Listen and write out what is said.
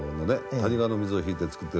谷川の水を引いて作ってる田んぼ。